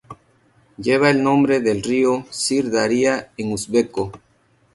Lleva el nombre del río Sir Daria en uzbeko.